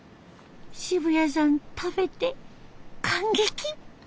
渋谷さん食べて感激。